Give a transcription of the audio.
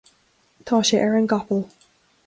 tá sé ar an gcapall